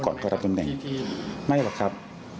ก่อนก็รับยนต์แบ่งไม่หรอกครับ